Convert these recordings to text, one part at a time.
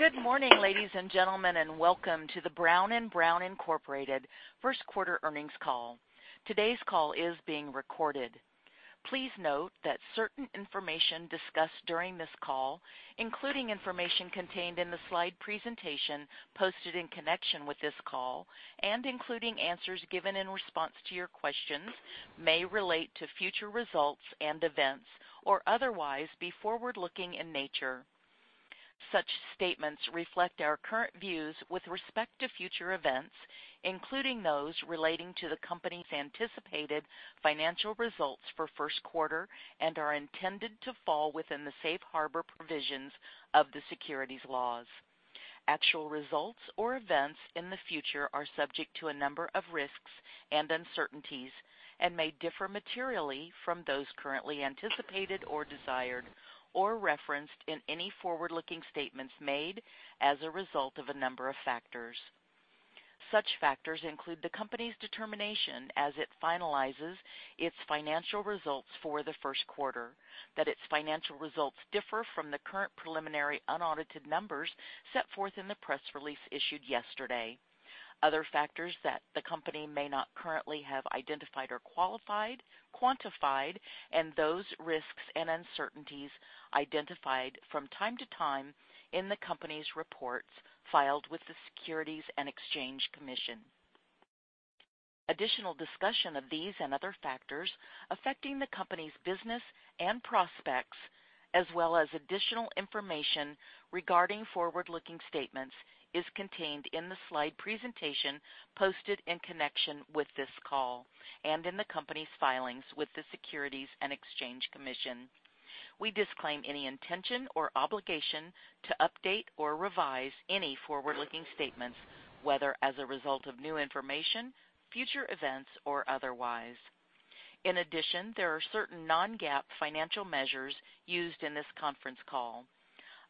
Good morning, ladies and gentlemen, and welcome to the Brown & Brown, Inc. first quarter earnings call. Today's call is being recorded. Please note that certain information discussed during this call, including information contained in the slide presentation posted in connection with this call, and including answers given in response to your questions, may relate to future results and events or otherwise be forward-looking in nature. Such statements reflect our current views with respect to future events, including those relating to the company's anticipated financial results for first quarter, and are intended to fall within the safe harbor provisions of the securities laws. Actual results or events in the future are subject to a number of risks and uncertainties and may differ materially from those currently anticipated, or desired, or referenced in any forward-looking statements made as a result of a number of factors. Such factors include the company's determination as it finalizes its financial results for the first quarter, that its financial results differ from the current preliminary unaudited numbers set forth in the press release issued yesterday. Other factors that the company may not currently have identified or quantified, and those risks and uncertainties identified from time to time in the company's reports filed with the Securities and Exchange Commission. Additional discussion of these and other factors affecting the company's business and prospects, as well as additional information regarding forward-looking statements, is contained in the slide presentation posted in connection with this call and in the company's filings with the Securities and Exchange Commission. We disclaim any intention or obligation to update or revise any forward-looking statements, whether as a result of new information, future events, or otherwise. In addition, there are certain non-GAAP financial measures used in this conference call.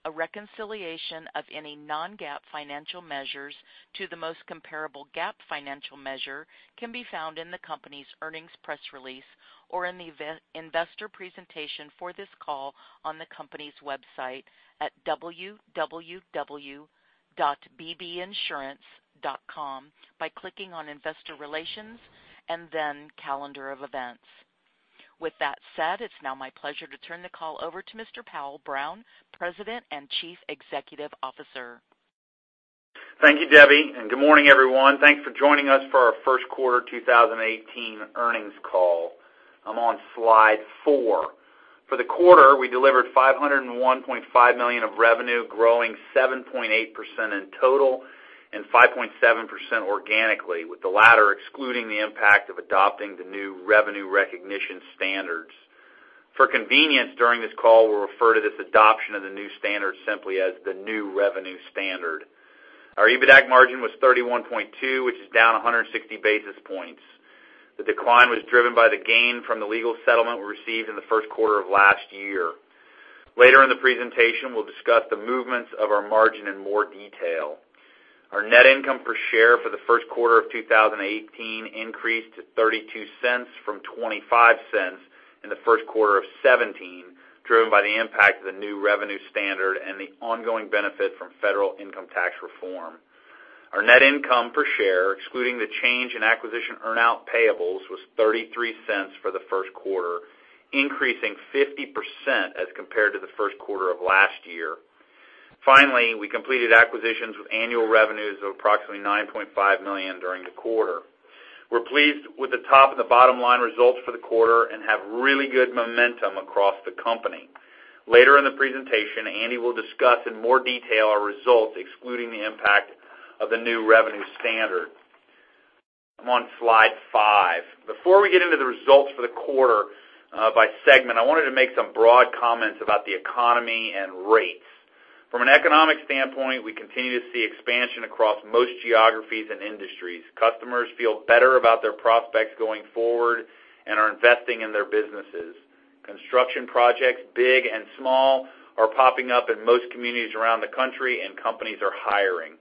A reconciliation of any non-GAAP financial measures to the most comparable GAAP financial measure can be found in the company's earnings press release or in the investor presentation for this call on the company's website at www.bbinsurance.com by clicking on Investor Relations and then Calendar of Events. With that said, it's now my pleasure to turn the call over to Mr. Powell Brown, President and Chief Executive Officer. Thank you, Debbie, and good morning, everyone. Thanks for joining us for our first quarter 2018 earnings call. I'm on slide four. For the quarter, we delivered $501.5 million of revenue, growing 7.8% in total and 5.7% organically, with the latter excluding the impact of adopting the new Revenue Recognition standards. For convenience during this call, we'll refer to this adoption of the new standard simply as the new revenue standard. Our EBITDAC margin was 31.2%, which is down 160 basis points. The decline was driven by the gain from the legal settlement we received in the first quarter of last year. Later in the presentation, we'll discuss the movements of our margin in more detail. Our net income per share for the first quarter of 2018 increased to $0.32 from $0.25 in the first quarter of 2017, driven by the impact of the new revenue standard and the ongoing benefit from federal income tax reform. Our net income per share, excluding the change in acquisition earn-out payables, was $0.33 for the first quarter, increasing 50% as compared to the first quarter of last year. Finally, we completed acquisitions with annual revenues of approximately $9.5 million during the quarter. We are pleased with the top and the bottom-line results for the quarter and have really good momentum across the company. Later in the presentation, Andy will discuss in more detail our results excluding the impact of the new revenue standard. I am on slide five. Before we get into the results for the quarter by segment, I wanted to make some broad comments about the economy and rates. From an economic standpoint, we continue to see expansion across most geographies and industries. Customers feel better about their prospects going forward and are investing in their businesses. Construction projects, big and small, are popping up in most communities around the country, and companies are hiring.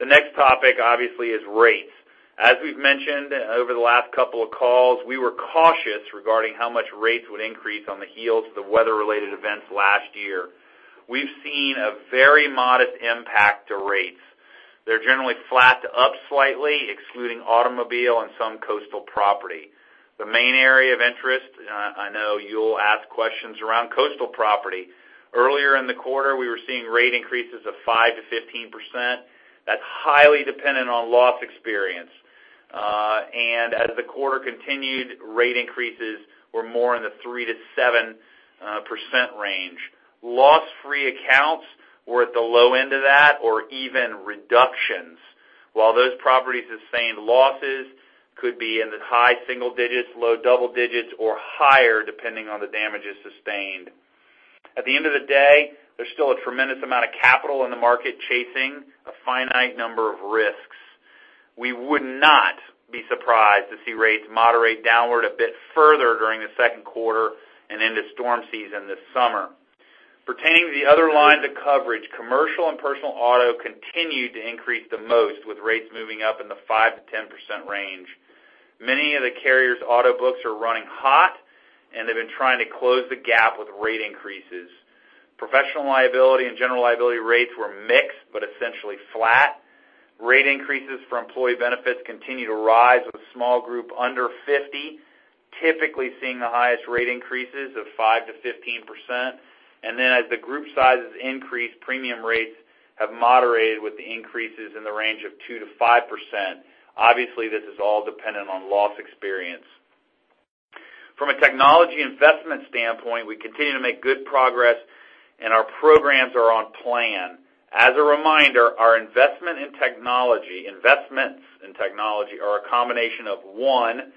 The next topic obviously is rates. As we have mentioned over the last couple of calls, we were cautious regarding how much rates would increase on the heels of the weather-related events last year. We have seen a very modest impact to rates. They are generally flat to up slightly, excluding automobile and some coastal property. The main area of interest, I know you will ask questions around coastal property. Earlier in the quarter, we were seeing rate increases of 5%-15%. That is highly dependent on loss experience. As the quarter continued, rate increases were more in the 3%-7% range. Loss-free accounts were at the low end of that or even reductions. While those properties sustained losses could be in the high single digits, low double digits, or higher, depending on the damages sustained. At the end of the day, there is still a tremendous amount of capital in the market chasing a finite number of risks. We would not be surprised to see rates moderate downward a bit further during the second quarter and into storm season this summer. Pertaining to the other lines of coverage, commercial and personal auto continued to increase the most, with rates moving up in the 5%-10% range. Many of the carrier's auto books are running hot. They have been trying to close the gap with rate increases. Professional liability and general liability rates were mixed, but essentially flat. Rate increases for employee benefits continue to rise with a small group under 50, typically seeing the highest rate increases of 5%-15%. As the group sizes increase, premium rates have moderated with the increases in the range of 2%-5%. Obviously, this is all dependent on loss experience. From a technology investment standpoint, we continue to make good progress, and our programs are on plan. As a reminder, our investments in technology are a combination of, one,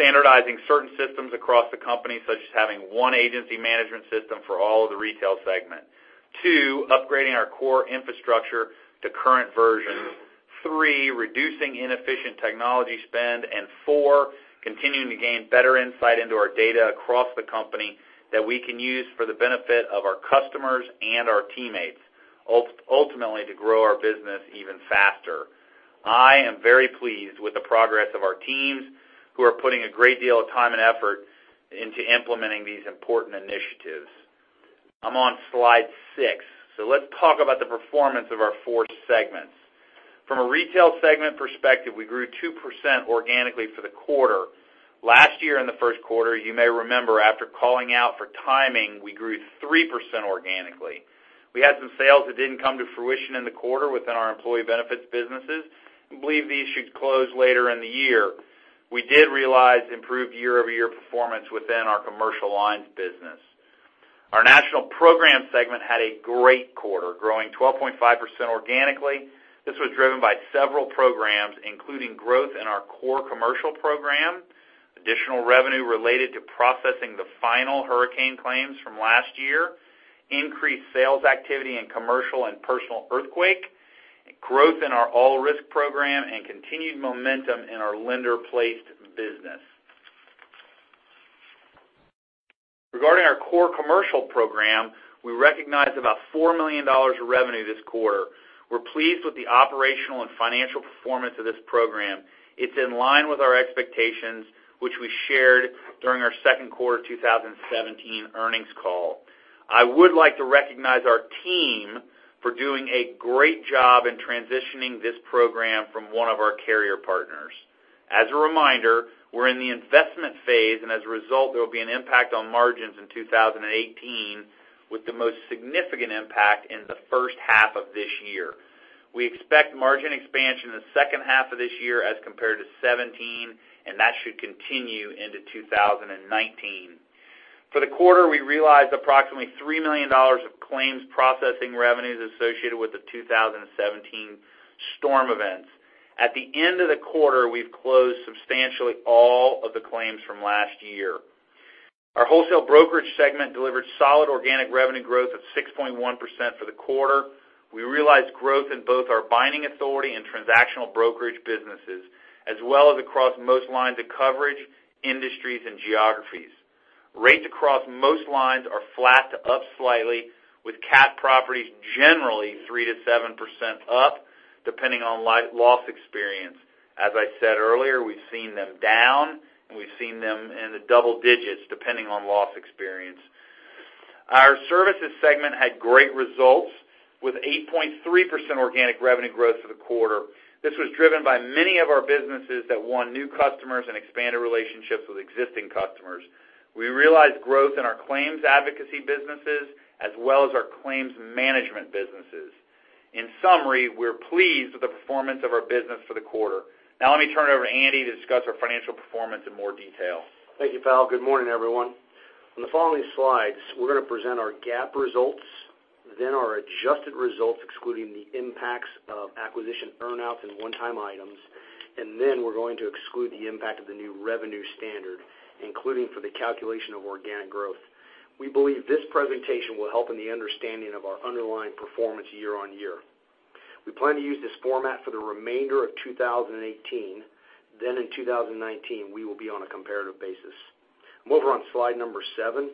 standardizing certain systems across the company, such as having one agency management system for all of the retail segment. Two, upgrading our core infrastructure to current versions. Three, reducing inefficient technology spend. Four, continuing to gain better insight into our data across the company that we can use for the benefit of our customers and our teammates, ultimately to grow our business even faster. I'm very pleased with the progress of our teams, who are putting a great deal of time and effort into implementing these important initiatives. I'm on slide six, let's talk about the performance of our four segments. From a retail segment perspective, we grew 2% organically for the quarter. Last year in the first quarter, you may remember, after calling out for timing, we grew 3% organically. We had some sales that didn't come to fruition in the quarter within our employee benefits businesses. We believe these should close later in the year. We did realize improved year-over-year performance within our commercial lines business. Our National Program segment had a great quarter, growing 12.5% organically. This was driven by several programs, including growth in our core commercial program, additional revenue related to processing the final hurricane claims from last year, increased sales activity in commercial and personal earthquake, growth in our all-risk program, and continued momentum in our lender-placed business. Regarding our core commercial program, we recognized about $4 million of revenue this quarter. We're pleased with the operational and financial performance of this program. It's in line with our expectations, which we shared during our second quarter 2017 earnings call. I would like to recognize our team for doing a great job in transitioning this program from one of our carrier partners. As a reminder, we're in the investment phase, and as a result, there will be an impact on margins in 2018, with the most significant impact in the first half of this year. We expect margin expansion in the second half of this year as compared to 2017, and that should continue into 2019. For the quarter, we realized approximately $3 million of claims processing revenues associated with the 2017 storm events. At the end of the quarter, we've closed substantially all of the claims from last year. Our wholesale brokerage segment delivered solid organic revenue growth of 6.1% for the quarter. We realized growth in both our binding authority and transactional brokerage businesses, as well as across most lines of coverage, industries, and geographies. Rates across most lines are flat to up slightly, with cat properties generally 3%-7% up depending on loss experience. As I said earlier, we've seen them down, and we've seen them in the double digits depending on loss experience. Our services segment had great results with 8.3% organic revenue growth for the quarter. This was driven by many of our businesses that won new customers and expanded relationships with existing customers. We realized growth in our claims advocacy businesses as well as our claims management businesses. In summary, we're pleased with the performance of our business for the quarter. Let me turn it over to Andy to discuss our financial performance in more detail. Thank you, Powell. Good morning, everyone. On the following slides, we're going to present our GAAP results, then our adjusted results, excluding the impacts of acquisition earn-outs and one-time items, then we're going to exclude the impact of the new revenue standard, including for the calculation of organic growth. We believe this presentation will help in the understanding of our underlying performance year-on-year. We plan to use this format for the remainder of 2018. In 2019, we will be on a comparative basis. I'm over on slide number seven.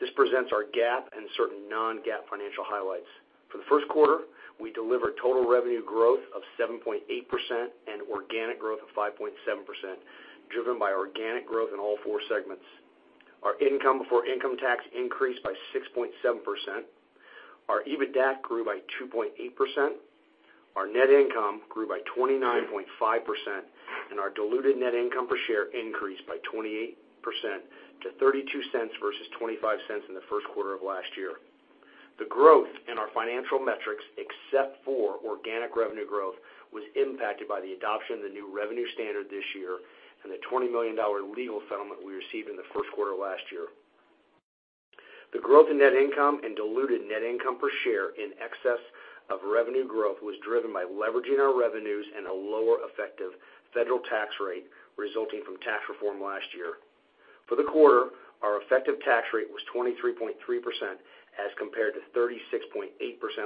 This presents our GAAP and certain non-GAAP financial highlights. For the first quarter, we delivered total revenue growth of 7.8% and organic growth of 5.7%, driven by organic growth in all four segments. Our income before income tax increased by 6.7%. Our EBITDAC grew by 2.8%. Our net income grew by 29.5%. Our diluted net income per share increased by 28% to $0.32 versus $0.25 in the first quarter of last year. The growth in our financial metrics, except for organic revenue growth, was impacted by the adoption of the new revenue standard this year and the $20 million legal settlement we received in the first quarter last year. The growth in net income and diluted net income per share in excess of revenue growth was driven by leveraging our revenues and a lower effective federal tax rate resulting from tax reform last year. For the quarter, our effective tax rate was 23.3% as compared to 36.8%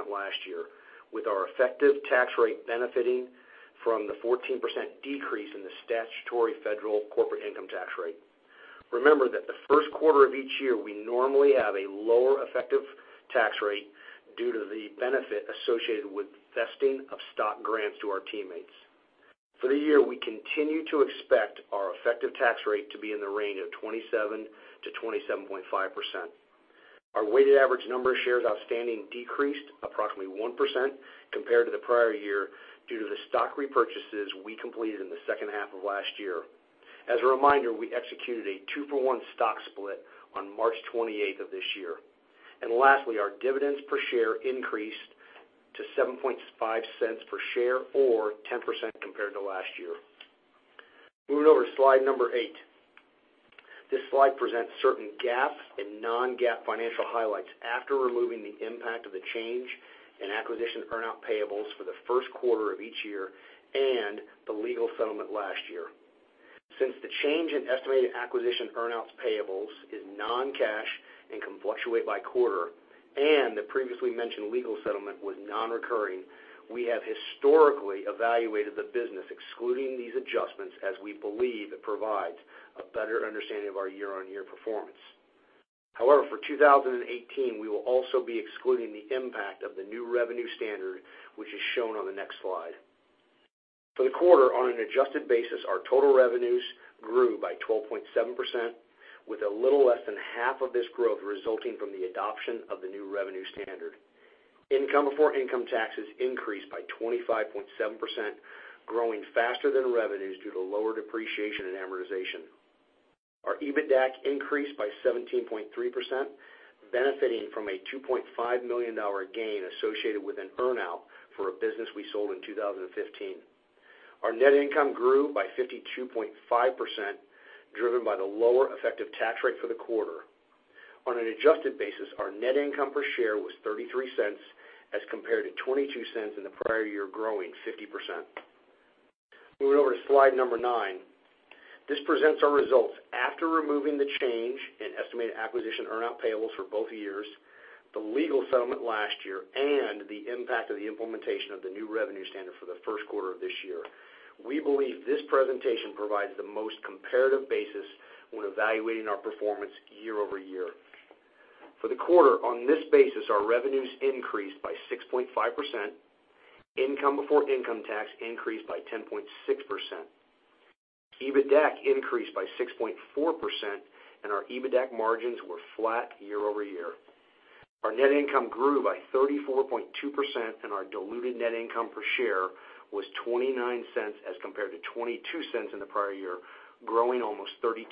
last year, with our effective tax rate benefiting from the 14% decrease in the statutory federal corporate income tax rate. Remember that the first quarter of each year, we normally have a lower effective tax rate due to the benefit associated with vesting of stock grants to our teammates. For the year, we continue to expect our effective tax rate to be in the range of 27%-27.5%. Our weighted average number of shares outstanding decreased approximately 1% compared to the prior year due to the stock repurchases we completed in the second half of last year. As a reminder, we executed a two-for-one stock split on March 28th of this year. Lastly, our dividends per share increased to $0.075 per share or 10% compared to last year. Moving over to slide number eight. This slide presents certain GAAP and non-GAAP financial highlights after removing the impact of the change in acquisition earn-out payables for the first quarter of each year and the legal settlement last year. Since the change in estimated acquisition earn-outs payables is non-cash and can fluctuate by quarter and the previously mentioned legal settlement was non-recurring, we have historically evaluated the business excluding these adjustments as we believe it provides a better understanding of our year-on-year performance. For 2018, we will also be excluding the impact of the new revenue standard, which is shown on the next slide. For the quarter, on an adjusted basis, our total revenues grew by 12.7%, with a little less than half of this growth resulting from the adoption of the new revenue standard. Income before income taxes increased by 25.7%, growing faster than revenues due to lower depreciation and amortization. Our EBITDAC increased by 17.3%, benefiting from a $2.5 million gain associated with an earn-out for a business we sold in 2015. Our net income grew by 52.5%, driven by the lower effective tax rate for the quarter. On an adjusted basis, our net income per share was $0.33 as compared to $0.22 in the prior year, growing 50%. Moving over to slide number nine. This presents our results after removing the change in estimated acquisition earnout payables for both years, the legal settlement last year, and the impact of the implementation of the new revenue standard for the first quarter of this year. We believe this presentation provides the most comparative basis when evaluating our performance year-over-year. For the quarter, on this basis, our revenues increased by 6.5%, income before income tax increased by 10.6%. EBITDAC increased by 6.4%, and our EBITDAC margins were flat year-over-year. Our net income grew by 34.2%, and our diluted net income per share was $0.29 as compared to $0.22 in the prior year, growing almost 32%.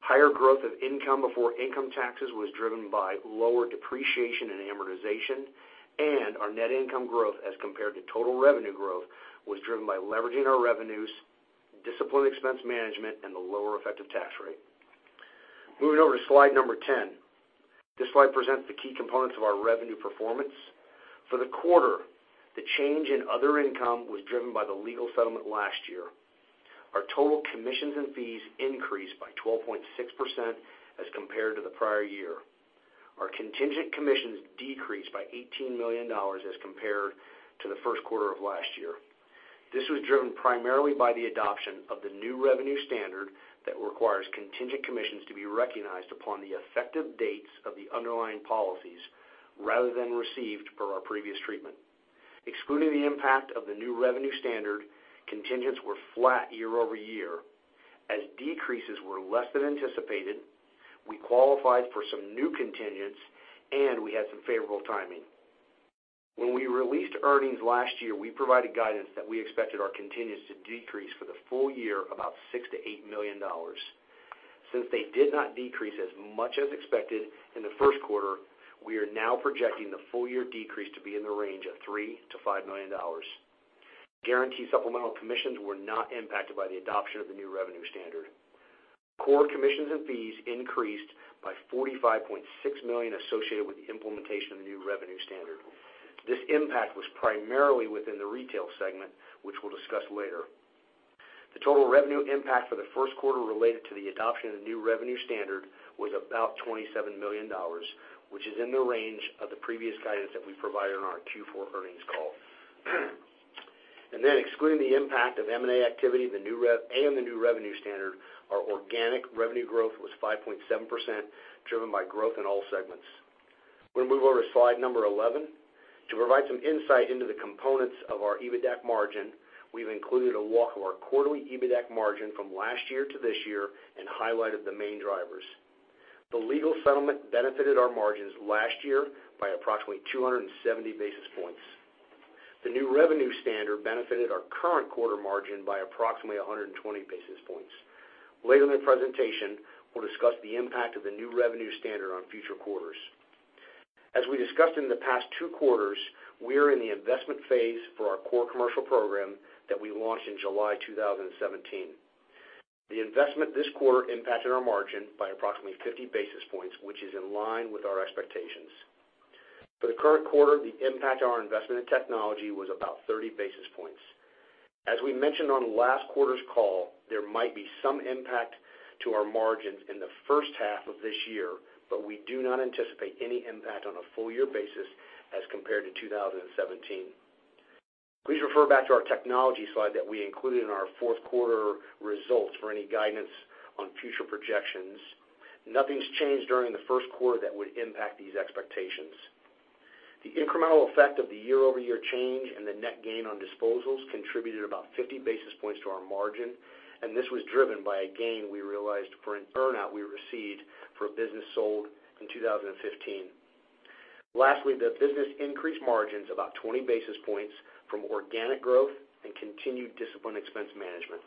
Higher growth of income before income taxes was driven by lower depreciation and amortization, and our net income growth as compared to total revenue growth was driven by leveraging our revenues, disciplined expense management, and the lower effective tax rate. Moving over to slide number 10. This slide presents the key components of our revenue performance. For the quarter, the change in other income was driven by the legal settlement last year. Our total commissions and fees increased by 12.6% as compared to the prior year. Our contingent commissions decreased by $18 million as compared to the first quarter of last year. This was driven primarily by the adoption of the new revenue standard that requires contingent commissions to be recognized upon the effective dates of the underlying policies rather than received per our previous treatment. Excluding the impact of the new revenue standard, contingents were flat year-over-year. As decreases were less than anticipated, we qualified for some new contingents, and we had some favorable timing. When we released earnings last year, we provided guidance that we expected our contingents to decrease for the full year about $6 million-$8 million. Since they did not decrease as much as expected in the first quarter, we are now projecting the full year decrease to be in the range of $3 million-$5 million. Guaranteed supplemental commissions were not impacted by the adoption of the new revenue standard. Core commissions and fees increased by $45.6 million associated with the implementation of the new revenue standard. This impact was primarily within the retail segment, which we will discuss later. The total revenue impact for the first quarter related to the adoption of the new revenue standard was about $27 million, which is in the range of the previous guidance that we provided on our Q4 earnings call. Excluding the impact of M&A activity and the new revenue standard, our organic revenue growth was 5.7%, driven by growth in all segments. We are going to move over to slide number 11. To provide some insight into the components of our EBITDAC margin, we have included a walk of our quarterly EBITDAC margin from last year to this year and highlighted the main drivers. The legal settlement benefited our margins last year by approximately 270 basis points. The new revenue standard benefited our current quarter margin by approximately 120 basis points. Later in the presentation, we'll discuss the impact of the new revenue standard on future quarters. As we discussed in the past two quarters, we are in the investment phase for our core commercial program that we launched in July 2017. The investment this quarter impacted our margin by approximately 50 basis points, which is in line with our expectations. For the current quarter, the impact on our investment in technology was about 30 basis points. As we mentioned on last quarter's call, there might be some impact to our margins in the first half of this year, but we do not anticipate any impact on a full year basis as compared to 2017. Please refer back to our technology slide that we included in our fourth quarter results for any guidance on future projections. Nothing's changed during the first quarter that would impact these expectations. The incremental effect of the year-over-year change and the net gain on disposals contributed about 50 basis points to our margin, and this was driven by a gain we realized for an earn-out we received for a business sold in 2015. Lastly, the business increased margins about 20 basis points from organic growth and continued disciplined expense management.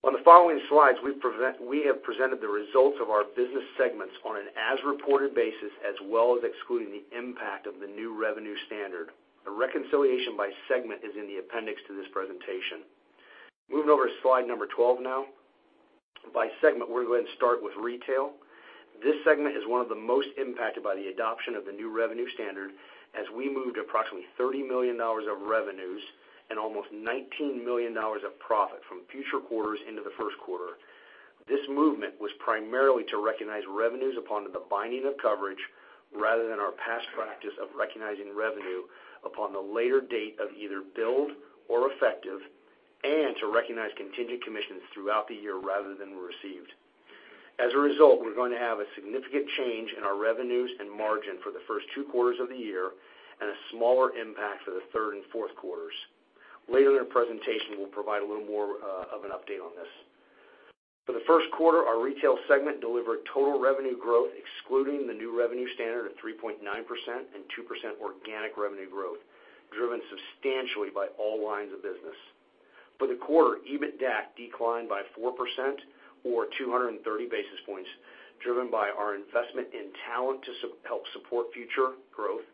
On the following slides, we have presented the results of our business segments on an as-reported basis, as well as excluding the impact of the new revenue standard. A reconciliation by segment is in the appendix to this presentation. Moving over to slide number 12 now. By segment, we're going to go ahead and start with retail. This segment is one of the most impacted by the adoption of the new revenue standard, as we moved approximately $30 million of revenues and almost $19 million of profit from future quarters into the first quarter. This movement was primarily to recognize revenues upon the binding of coverage rather than our past practice of recognizing revenue upon the later date of either build or effective, and to recognize contingent commissions throughout the year rather than received. As a result, we're going to have a significant change in our revenues and margin for the first two quarters of the year, and a smaller impact for the third and fourth quarters. Later in the presentation, we'll provide a little more of an update on this. For the first quarter, our retail segment delivered total revenue growth, excluding the new revenue standard of 3.9% and 2% organic revenue growth, driven substantially by all lines of business. For the quarter, EBITDAC declined by 4% or 230 basis points, driven by our investment in talent to help support future growth,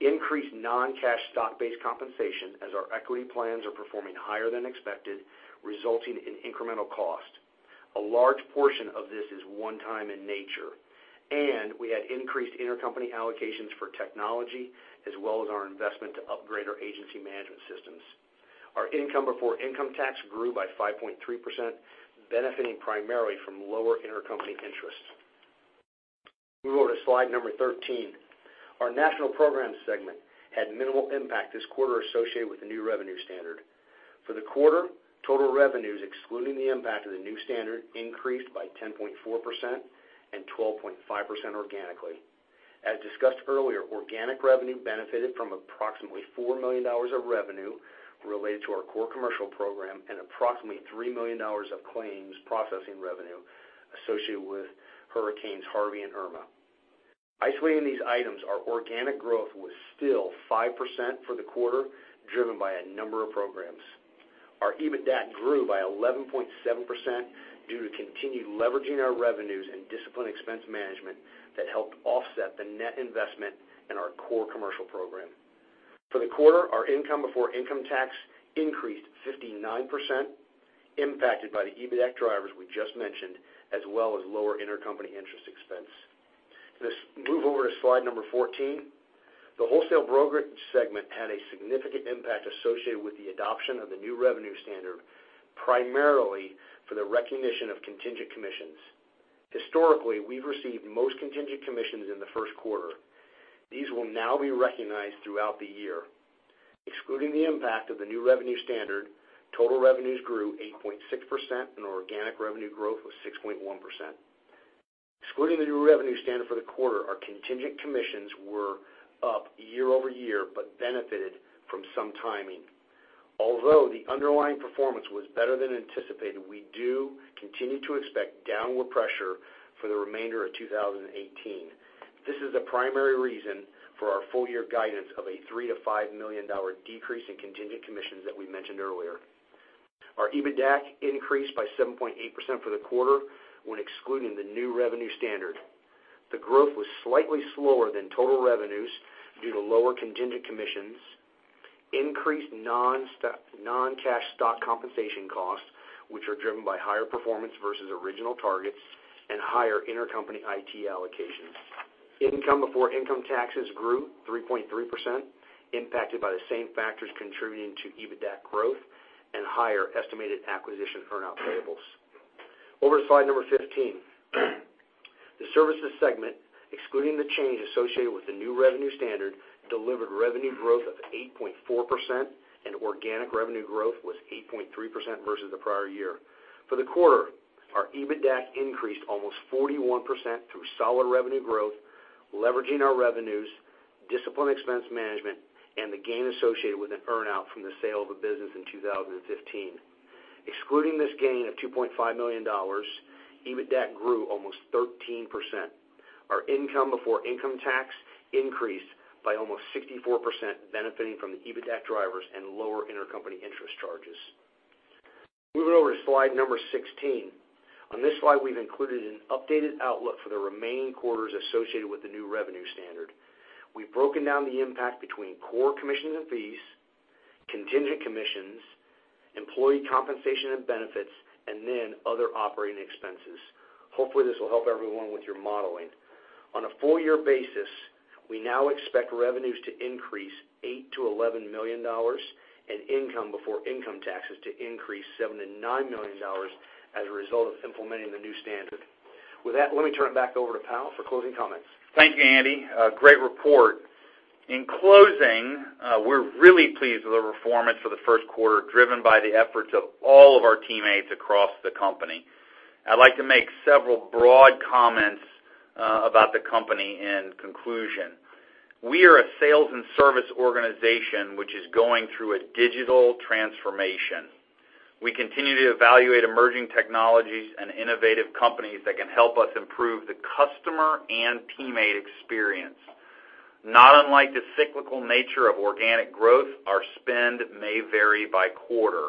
increased non-cash stock-based compensation as our equity plans are performing higher than expected, resulting in incremental cost. A large portion of this is one time in nature, and we had increased intercompany allocations for technology as well as our investment to upgrade our agency management systems. Our income before income tax grew by 5.3%, benefiting primarily from lower intercompany interest. Moving over to slide number 13. Our national programs segment had minimal impact this quarter associated with the new revenue standard. For the quarter, total revenues, excluding the impact of the new standard, increased by 10.4% and 12.5% organically. As discussed earlier, organic revenue benefited from approximately $4 million of revenue related to our core commercial program and approximately $3 million of claims processing revenue associated with Hurricane Harvey and Hurricane Irma. Isolating these items, our organic growth was still 5% for the quarter, driven by a number of programs. Our EBITDAC grew by 11.7% due to continued leveraging our revenues and disciplined expense management that helped offset the net investment in our core commercial program. For the quarter, our income before income tax increased 59%, impacted by the EBITDAC drivers we just mentioned, as well as lower intercompany interest expense. Let's move over to slide number 14. The Wholesale Brokerage segment had a significant impact associated with the adoption of the new revenue standard, primarily for the recognition of contingent commissions. Historically, we've received most contingent commissions in the first quarter. These will now be recognized throughout the year. Excluding the impact of the new revenue standard, total revenues grew 8.6% and organic revenue growth was 6.1%. Excluding the new revenue standard for the quarter, our contingent commissions were up year-over-year, but benefited from some timing. Although the underlying performance was better than anticipated, we do continue to expect downward pressure for the remainder of 2018. This is the primary reason for our full-year guidance of a $3 million-$5 million decrease in contingent commissions that we mentioned earlier. Our EBITDAC increased by 7.8% for the quarter when excluding the new revenue standard. The growth was slightly slower than total revenues due to lower contingent commissions, increased non-cash stock compensation costs, which are driven by higher performance versus original targets, and higher intercompany IT allocations. Income before income taxes grew 3.3%, impacted by the same factors contributing to EBITDAC growth and higher estimated acquisition earn-out payables. Over to slide number 15. The Services segment, excluding the change associated with the new revenue standard, delivered revenue growth of 8.4% and organic revenue growth was 8.3% versus the prior year. For the quarter, our EBITDAC increased almost 41% through solid revenue growth, leveraging our revenues, disciplined expense management, and the gain associated with an earn-out from the sale of a business in 2015. Excluding this gain of $2.5 million, EBITDAC grew almost 13%. Our income before income tax increased by almost 64%, benefiting from the EBITDAC drivers and lower intercompany interest charges. Moving over to slide number 16. On this slide, we've included an updated outlook for the remaining quarters associated with the new revenue standard. We've broken down the impact between core commissions and fees, contingent commissions, employee compensation and benefits, and then other operating expenses. Hopefully, this will help everyone with your modeling. On a full-year basis, we now expect revenues to increase $8 million-$11 million and income before income taxes to increase $7 million-$9 million as a result of implementing the new standard. With that, let me turn it back over to Powell for closing comments. Thank you, Andy. A great report. In closing, we're really pleased with the performance for the first quarter, driven by the efforts of all of our teammates across the company. I'd like to make several broad comments about the company in conclusion. We are a sales and service organization which is going through a digital transformation. We continue to evaluate emerging technologies and innovative companies that can help us improve the customer and teammate experience. Not unlike the cyclical nature of organic growth, our spend may vary by quarter.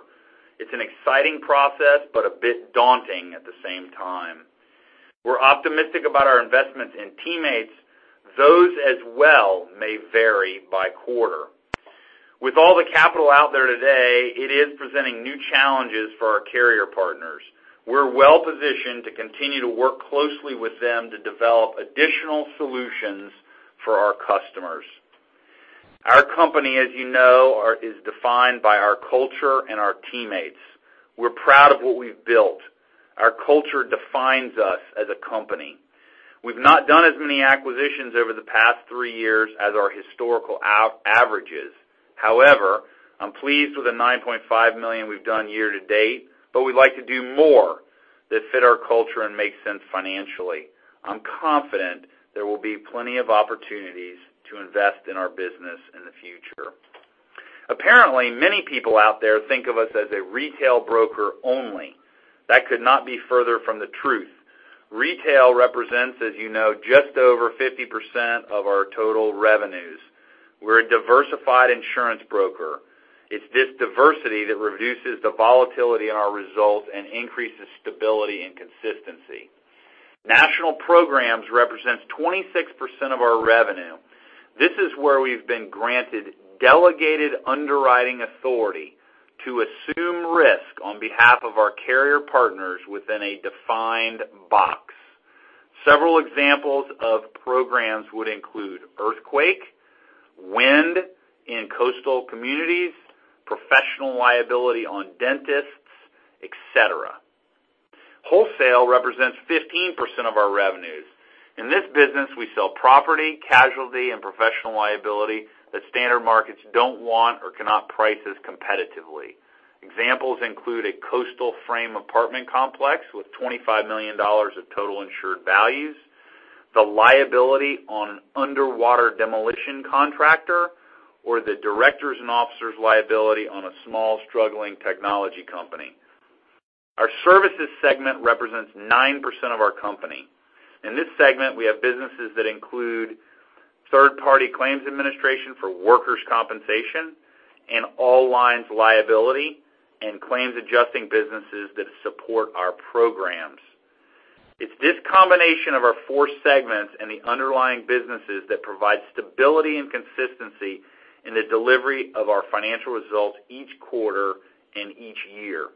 It's an exciting process, but a bit daunting at the same time. We're optimistic about our investments in teammates. Those as well may vary by quarter. With all the capital out there today, it is presenting new challenges for our carrier partners. We're well positioned to continue to work closely with them to develop additional solutions for our customers. Our company, as you know, is defined by our culture and our teammates. We're proud of what we've built. Our culture defines us as a company. We've not done as many acquisitions over the past three years as our historical averages. I'm pleased with the $9.5 million we've done year to date, but we'd like to do more that fit our culture and make sense financially. I'm confident there will be plenty of opportunities to invest in our business in the future. Apparently, many people out there think of us as a retail broker only. That could not be further from the truth. Retail represents, as you know, just over 50% of our total revenues. We're a diversified insurance broker. It's this diversity that reduces the volatility in our results and increases stability and consistency. National Programs represents 26% of our revenue. This is where we've been granted delegated underwriting authority to assume risk on behalf of our carrier partners within a defined box. Several examples of programs would include earthquake, wind in coastal communities, professional liability on dentists, et cetera. Wholesale represents 15% of our revenues. In this business, we sell property, casualty, and professional liability that standard markets don't want or cannot price as competitively. Examples include a coastal frame apartment complex with $25 million of total insured values, the liability on an underwater demolition contractor, or the directors' and officers' liability on a small, struggling technology company. Our services segment represents 9% of our company. In this segment, we have businesses that include third-party claims administration for workers' compensation and all lines liability, and claims adjusting businesses that support our programs. It's this combination of our four segments and the underlying businesses that provide stability and consistency in the delivery of our financial results each quarter and each year.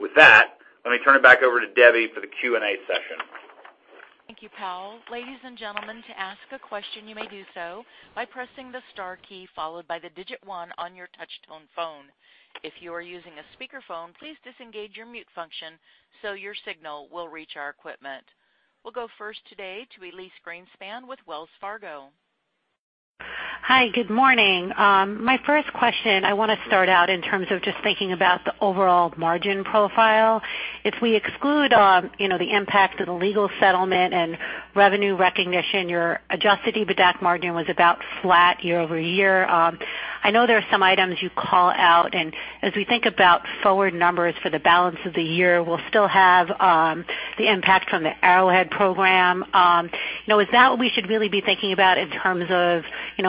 Let me turn it back over to Debbie for the Q&A session. Thank you, Powell. Ladies and gentlemen, to ask a question, you may do so by pressing the star key followed by the digit 1 on your touch-tone phone. If you are using a speakerphone, please disengage your mute function so your signal will reach our equipment. We'll go first today to Elyse Greenspan with Wells Fargo. Hi. Good morning. My first question, I want to start out in terms of just thinking about the overall margin profile. If we exclude the impact of the legal settlement and Revenue Recognition, your adjusted EBITDAC margin was about flat year-over-year. I know there are some items you call out, and as we think about forward numbers for the balance of the year, we'll still have the impact from the Arrowhead program. Is that what we should really be thinking about in terms of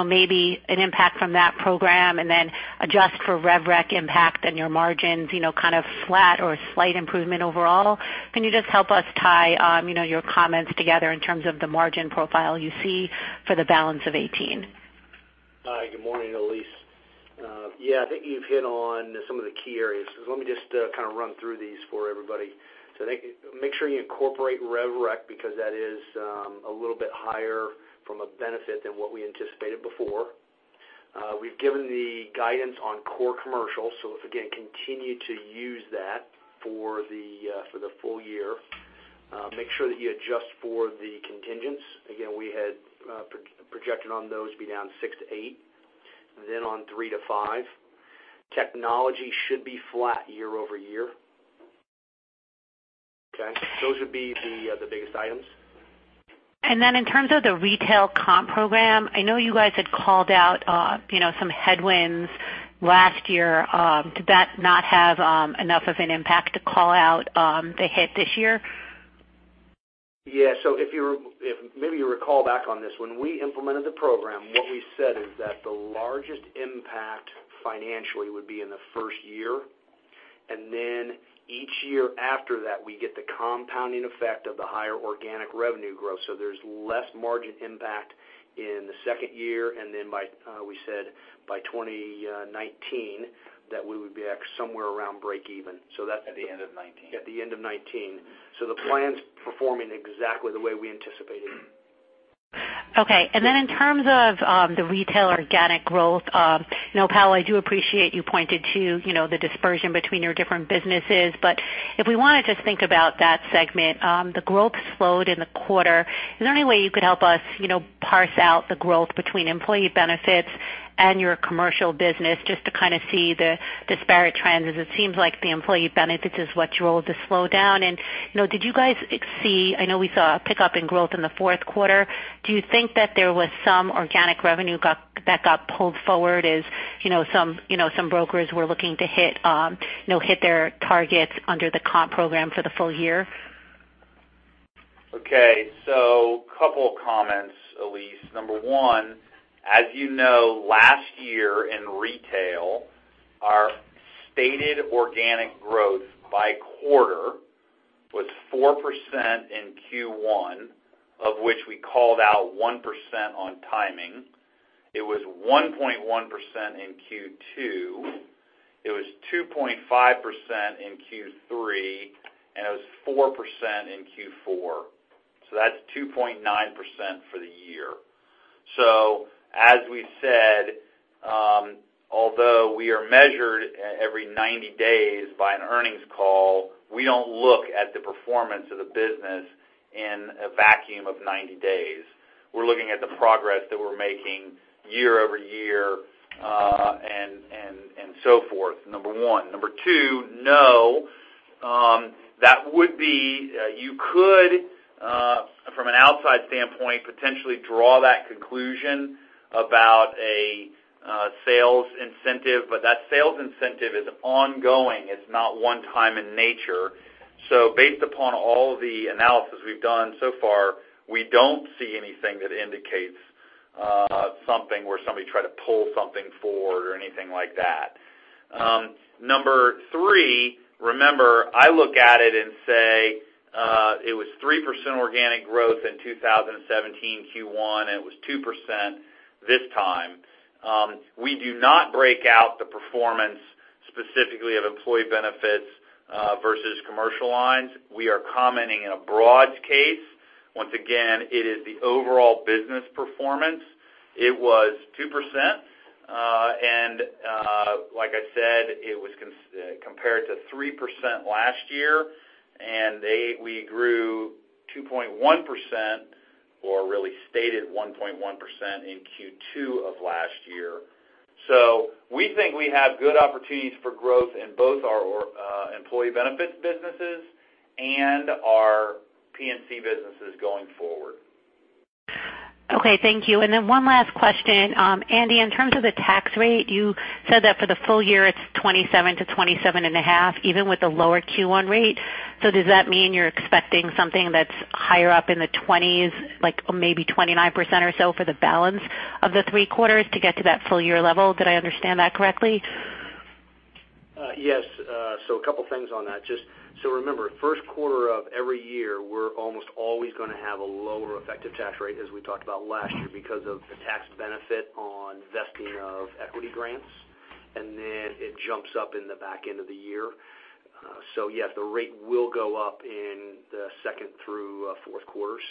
maybe an impact from that program and then adjust for Revenue Recognition impact on your margins, kind of flat or slight improvement overall? Can you just help us tie your comments together in terms of the margin profile you see for the balance of 2018? Hi. Good morning, Elyse. Yeah, I think you've hit on some of the key areas. Let me just kind of run through these for everybody. Make sure you incorporate Revenue Recognition, because that is a little bit higher from a benefit than what we anticipated before. We've given the guidance on core commercial, again, continue to use that for the full year. Make sure that you adjust for the contingents. Again, we had projected on those to be down 6-8, and then on 3-5. Technology should be flat year-over-year. Okay? Those would be the biggest items. In terms of the retail comp program, I know you guys had called out some headwinds last year. Did that not have enough of an impact to call out the hit this year? Yeah. Maybe you recall back on this. When we implemented the program, what we said is that the largest impact financially would be in the first year, and then each year after that, we get the compounding effect of the higher organic revenue growth. There's less margin impact in the second year, and then we said by 2019 that we would be at somewhere around breakeven. At the end of 2019. At the end of 2019. The plan's performing exactly the way we anticipated. Okay. In terms of the retail organic growth, Powell, I do appreciate you pointed to the dispersion between your different businesses, but if we want to just think about that segment, the growth slowed in the quarter. Is there any way you could help us parse out the growth between employee benefits your commercial business, just to kind of see the disparate trends, as it seems like the employee benefits is what drove the slowdown. Did you guys see, I know we saw a pickup in growth in the fourth quarter, do you think that there was some organic revenue that got pulled forward as some brokers were looking to hit their targets under the comp program for the full year? A couple of comments, Elyse. Number one, as you know, last year in retail, our stated organic growth by quarter was 4% in Q1, of which we called out 1% on timing. It was 1.1% in Q2. It was 2.5% in Q3, and it was 4% in Q4. That's 2.9% for the year. As we said, although we are measured every 90 days by an earnings call, we don't look at the performance of the business in a vacuum of 90 days. We're looking at the progress that we're making year-over-year, and so forth, number one. Number two, no. You could, from an outside standpoint, potentially draw that conclusion about a sales incentive, but that sales incentive is ongoing. It's not one time in nature. Based upon all the analysis we've done so far, we don't see anything that indicates something where somebody tried to pull something forward or anything like that. Number three, remember, I look at it and say, it was 3% organic growth in 2017 Q1, and it was 2% this time. We do not break out the performance specifically of employee benefits versus commercial lines. We are commenting in a broad case. Once again, it is the overall business performance. It was 2%, and like I said, it was compared to 3% last year, and we grew 2.1%, or really stated 1.1% in Q2 of last year. We think we have good opportunities for growth in both our employee benefits businesses and our P&C businesses going forward. Okay. Thank you. One last question. Andy, in terms of the tax rate, you said that for the full year, it's 27%-27.5%, even with the lower Q1 rate. Does that mean you're expecting something that's higher up in the 20s, like maybe 29% or so for the balance of the three quarters to get to that full year level? Did I understand that correctly? Yes. A couple things on that. Remember, first quarter of every year, we're almost always going to have a lower effective tax rate, as we talked about last year, because of the tax benefit on vesting of equity grants. It jumps up in the back end of the year. Yes, the rate will go up in the second through fourth quarters.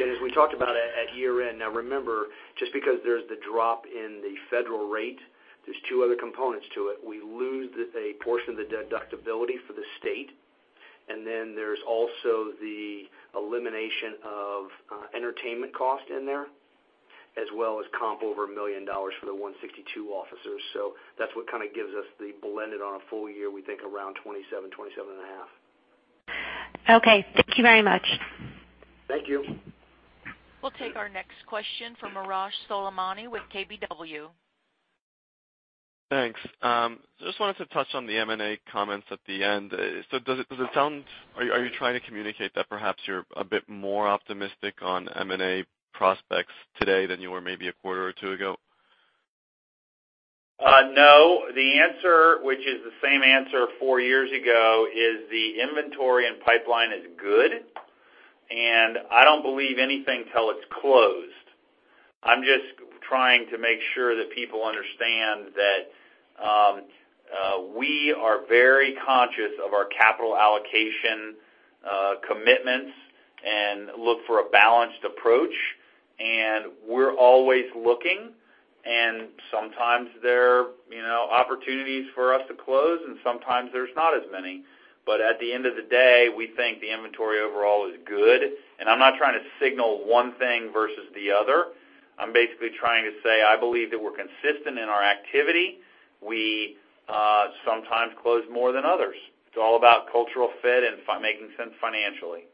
As we talked about at year-end, now remember, just because there's the drop in the federal rate, there's two other components to it. We lose a portion of the deductibility for the state, and then there's also the elimination of entertainment cost in there, as well as comp over $1 million for the Section 162(m) officers. That's what kind of gives us the blended on a full year, we think around 27%-27.5%. Okay. Thank you very much. Thank you. We'll take our next question from Arash Soleimani with KBW. Thanks. Just wanted to touch on the M&A comments at the end. Are you trying to communicate that perhaps you're a bit more optimistic on M&A prospects today than you were maybe a quarter or two ago? No. The answer, which is the same answer 4 years ago, is the inventory and pipeline is good, and I don't believe anything till it's closed. I'm just trying to make sure that people understand that we are very conscious of our capital allocation commitments and look for a balanced approach, and we're always looking, and sometimes there are opportunities for us to close, and sometimes there's not as many. At the end of the day, we think the inventory overall is good. I'm not trying to signal one thing versus the other. I'm basically trying to say, I believe that we're consistent in our activity. We sometimes close more than others. It's all about cultural fit and making sense financially.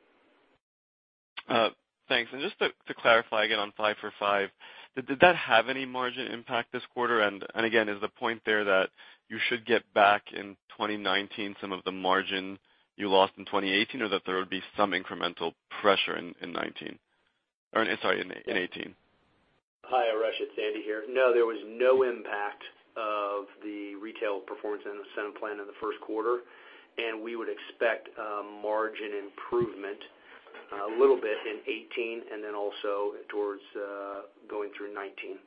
Thanks. Just to clarify again on Five for Five, did that have any margin impact this quarter? Again, is the point there that you should get back in 2019 some of the margin you lost in 2018, or that there would be some incremental pressure in 2019? Or I'm sorry, in 2018. Hi, Arash, it's Andy here. No, there was no impact of the retail performance incentive plan in the first quarter. We would expect a margin improvement a little bit in 2018 and then also towards going through 2019.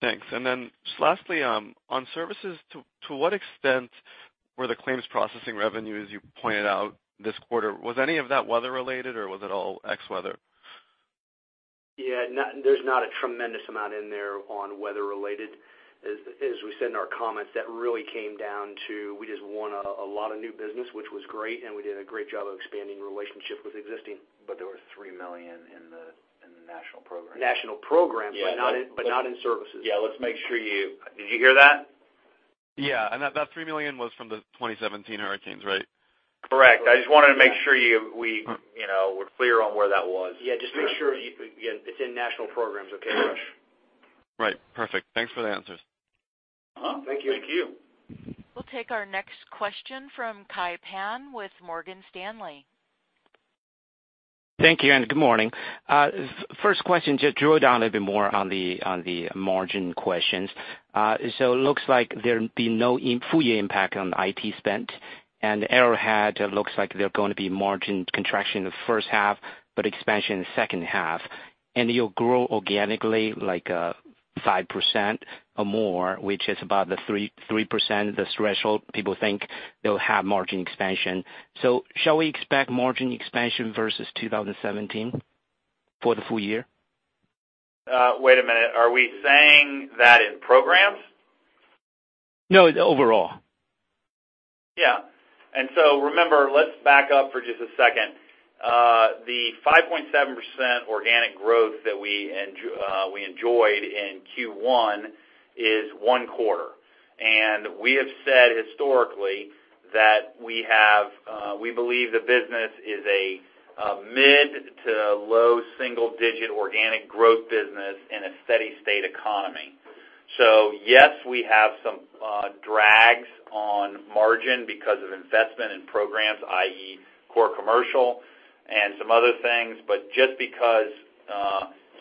Thanks. Just lastly, on services, to what extent were the claims processing revenue, as you pointed out this quarter, was any of that weather related, or was it all ex weather? Yeah. There is not a tremendous amount in there on weather related. As we said in our comments, that really came down to we just won a lot of new business, which was great, and we did a great job of expanding relationship with existing. There was $3 million in the national program. National program, not in services. Yeah. Let's make sure. Did you hear that? Yeah. That $3 million was from the 2017 hurricanes, right? Correct. I just wanted to make sure we were clear on where that was. Yeah, just make sure, again, it's in national programs, okay, Arash? Right. Perfect. Thanks for the answers. Thank you. Thank you. We'll take our next question from Kai Pan with Morgan Stanley. Thank you. Good morning. First question, just drill down a bit more on the margin questions. Looks like there'll be no full year impact on the IT spend, and Arrowhead looks like they're going to be margin contraction in the first half, but expansion in the second half. You'll grow organically like 5% or more, which is about the 3%, the threshold people think they'll have margin expansion. Shall we expect margin expansion versus 2017 for the full year? Wait a minute. Are we saying that in programs? No, overall. Yeah. Remember, let's back up for just a second. The 5.7% organic growth that we enjoyed in Q1 is one quarter. We have said historically that we believe the business is a mid to low single-digit organic growth business in a steady state economy. Yes, we have some drags on margin because of investment in programs, i.e. core commercial and some other things.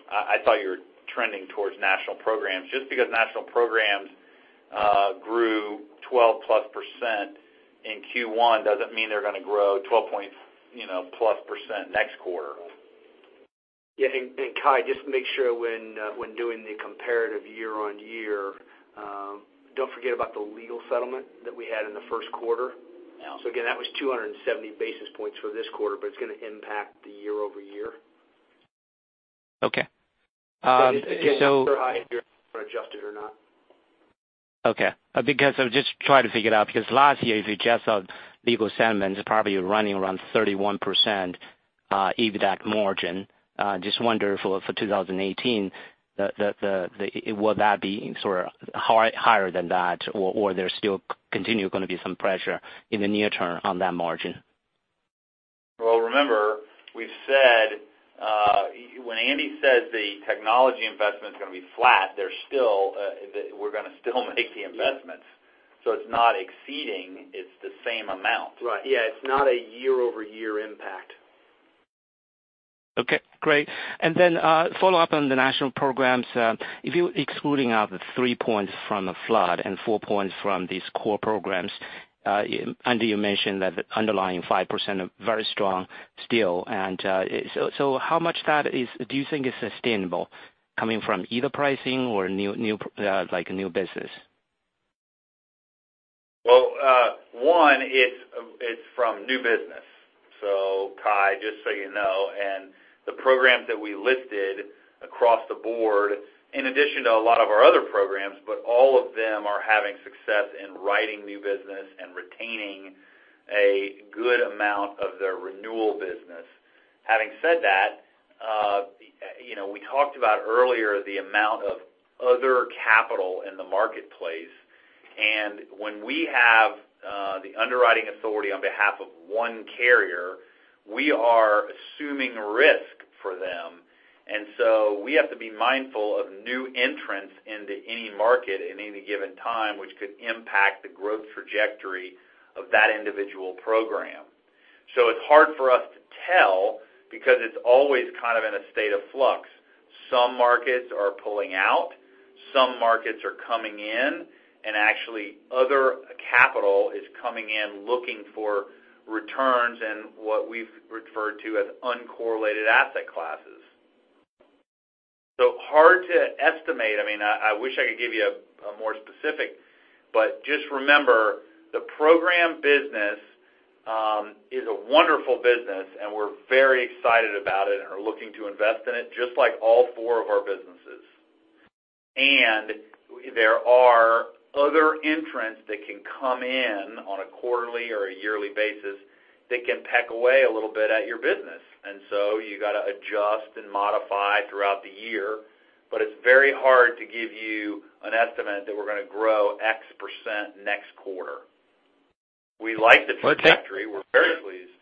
I thought you were trending towards national programs. Just because national programs grew 12-plus percent in Q1 doesn't mean they're going to grow 12-plus percent next quarter. Yeah. Kai, just make sure when doing the comparative year-on-year, don't forget about the legal settlement that we had in the first quarter. Yeah. Again, that was 270 basis points for this quarter, but it's going to impact the year-over-year. Okay. Again, it's year-over-year, adjusted or not. Okay. I'm just trying to figure it out, because last year, if you adjust out legal settlements, probably you're running around 31% EBITDA margin. Just wonder for 2018, will that be higher than that, or there's still continue going to be some pressure in the near term on that margin? Well, remember, when Andy says the technology investment's going to be flat, we're going to still make the investments. It's not exceeding, it's the same amount. Right. Yeah, it's not a year-over-year impact. Okay, great. Then follow-up on the national programs. If you're excluding out the 3 points from the flood and 4 points from these core programs, Andy, you mentioned that underlying 5% are very strong still. So how much that do you think is sustainable coming from either pricing or new business? Well, one, it's from new business. Kai, just so you know, the programs that we listed across the board, in addition to a lot of our other programs, all of them are having success in writing new business and retaining a good amount of their renewal business. Having said that, we talked about earlier the amount of other capital in the marketplace. When we have the underwriting authority on behalf of one carrier, we are assuming risk for them. So we have to be mindful of new entrants into any market at any given time, which could impact the growth trajectory of that individual program. It's hard for us to tell because it's always in a state of flux. Some markets are pulling out, some markets are coming in, and actually other capital is coming in looking for returns in what we've referred to as uncorrelated asset classes. Hard to estimate. I wish I could give you a more specific, but just remember, the program business is a wonderful business, and we're very excited about it and are looking to invest in it, just like all four of our businesses. There are other entrants that can come in on a quarterly or a yearly basis that can peck away a little bit at your business. So you got to adjust and modify throughout the year. It's very hard to give you an estimate that we're going to grow X% next quarter. We like the trajectory. We're very pleased.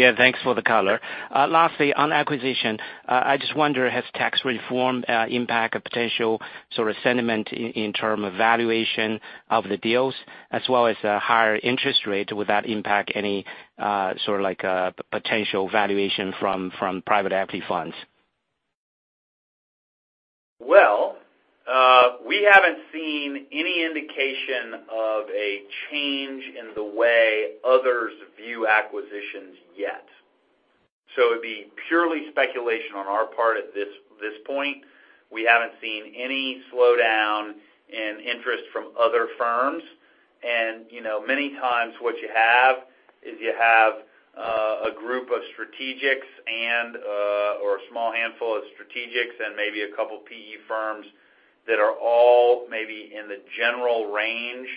Yeah. Yeah, thanks for the color. Lastly, on acquisition, I just wonder, has tax reform impact a potential sentiment in terms of valuation of the deals as well as the higher interest rate? Will that impact any potential valuation from private equity funds? Well, we haven't seen any indication of a change in the way others view acquisitions yet. It'd be purely speculation on our part at this point. We haven't seen any slowdown in interest from other firms. Many times what you have is you have a group of strategics or a small handful of strategics and maybe a couple PE firms that are all maybe in the general range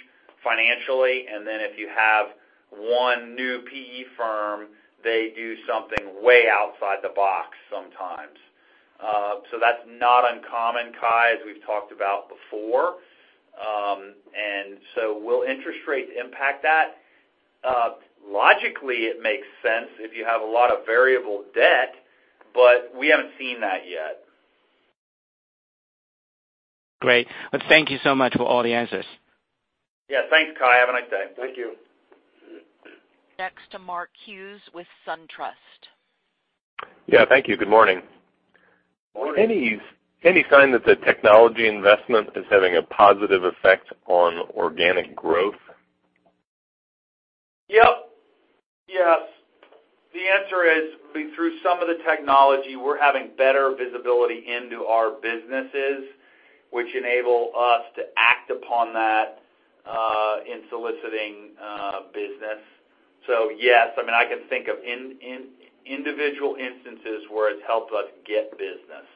financially. Then if you have one new PE firm, they do something way outside the box sometimes. That's not uncommon, Kai, as we've talked about before. Will interest rates impact that? Logically, it makes sense if you have a lot of variable debt, but we haven't seen that yet. Great. Thank you so much for all the answers. Yeah. Thanks, Kai. Have a nice day. Thank you. Next to Mark Hughes with SunTrust. Yeah. Thank you. Good morning. Morning. Any sign that the technology investment is having a positive effect on organic growth? Yep. Yes. The answer is, through some of the technology, we're having better visibility into our businesses, which enable us to act upon that, in soliciting business. Yes, I can think of individual instances where it's helped us get business.